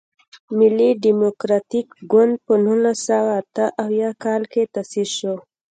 ملي ډیموکراتیک ګوند په نولس سوه اته اویا کال کې تاسیس شو.